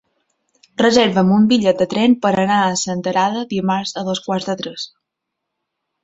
Reserva'm un bitllet de tren per anar a Senterada dimarts a dos quarts de tres.